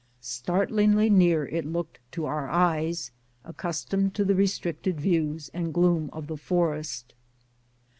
Startlingly near it looked to our eyes, accustomed to the restricted views and gloom of the forest.